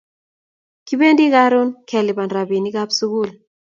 Kibendi karun kelipan rapinik ab sukul